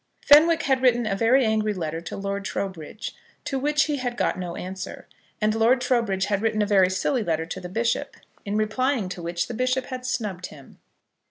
Fenwick had written a very angry letter to Lord Trowbridge, to which he had got no answer, and Lord Trowbridge had written a very silly letter to the bishop, in replying to which the bishop had snubbed him.